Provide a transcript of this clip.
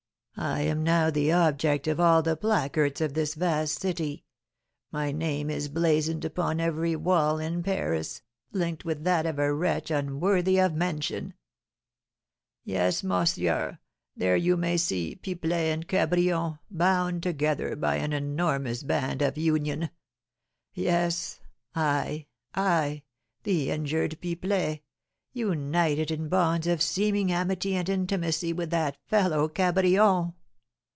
I am now the object of all the placards of this vast city; my name is blazoned upon every wall in Paris, linked with that of a wretch unworthy of mention. Yes, môssieur, there you may see 'Pipelet and Cabrion,' bound together by an enormous band of union. Yes, I I the injured Pipelet united in bonds of seeming amity and intimacy with that fellow Cabrion!